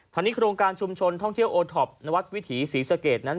ทางนี้โครงการชุมชนท่องเที่ยวโอท็อปนวัดวิถีศรีสะเกดนั้น